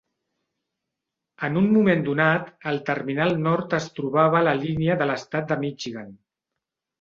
En un moment donat, el terminal nord es trobava a la línia de l'estat de Michigan.